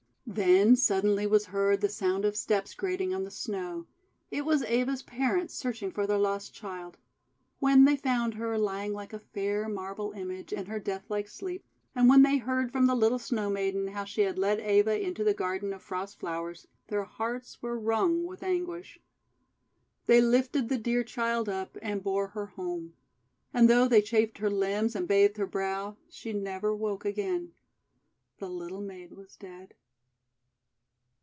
Then suddenly was heard the sound of steps grating on the Snow. It was Eva's parents searching for their lost child. When they found her, lying like a fair marble image in her death like sleep, and when they heard from the little Snow Maiden how she had led Eva into the Garden of Frost Flowers, their hearts were wrung with anguish. They lifted the dear child up, and bore her home. And though they chafed her limbs and bathed her brow, she never woke again. The little maid was dead.